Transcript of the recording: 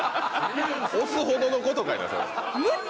押すほどのことかいなそれ。